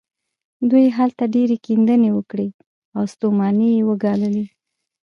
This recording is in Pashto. دوی هلته ډېرې کيندنې وکړې او ستومانۍ يې وګاللې.